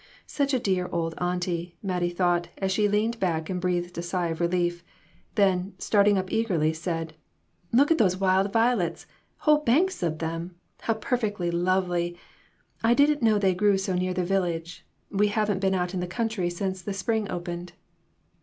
"Such a dear old auntie!" Mattie thought, as she leaned back and breathed a sigh of relief; then, starting up eagerly, said " Look at those wild violets ! Whole banks of them ! How perfectly lovely ! I didn't know they grew so near the village. We haven't been out in the country since the spring opened."